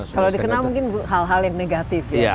kalau dikenal mungkin hal hal yang negatif ya